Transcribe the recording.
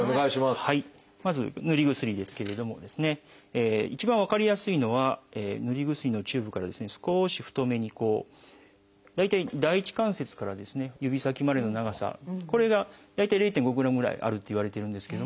まずぬり薬ですけれども一番分かりやすいのはぬり薬のチューブから少し太めに大体第一関節から指先までの長さこれが大体０．５グラムぐらいあるっていわれてるんですけども。